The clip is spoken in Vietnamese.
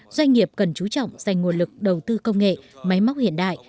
doanh nghiệp cần chú trọng dành nguồn lực đầu tư công nghệ máy móc hiện đại